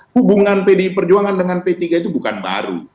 hubungan pdi perjuangan dengan p tiga itu bukan baru